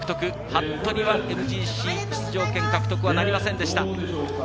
服部はＭＧＣ出場権獲得はなりませんでした。